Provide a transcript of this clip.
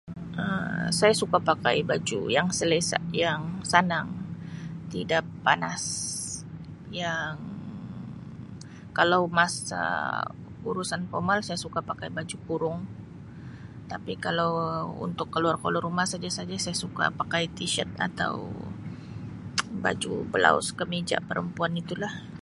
Um Saya suka pakai baju yang selesa yang sanang tidak panas yang kalau masa urusan formal saya suka pakai baju kurung tapi kalau untuk keluar-keluar rumah saja-saja saya suka pakai T-Shirt atau baju blouse kemeja perempuan itu lah.